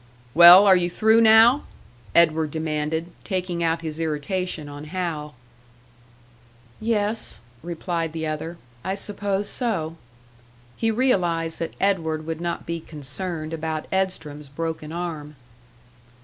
"Well, are you through now?" Edward demanded, taking out his irritation on Hal. "Yes," replied the other. "I suppose so." He realised that Edward would not be concerned about Edstrom's broken arm.